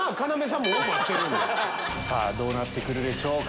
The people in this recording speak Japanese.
さぁどうなってくるでしょうか？